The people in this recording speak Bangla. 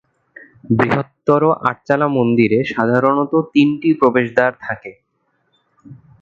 বৃহত্তর আটচালা মন্দিরে সাধারণত তিনটি প্রবেশদ্বার থাকে।